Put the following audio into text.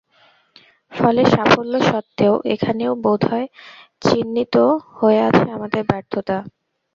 ফলে সাফল্য সত্ত্বেও এখানেই বোধ হয় চিহ্নিত হয়ে আছে আমাদের ব্যর্থতা।